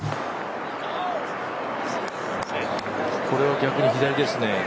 これは逆に左ですね。